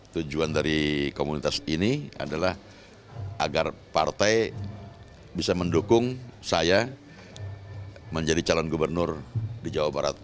tujuan dari komunitas ini adalah agar partai bisa mendukung saya menjadi calon gubernur di jawa barat